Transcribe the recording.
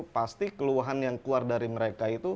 pasti keluhan yang keluar dari mereka itu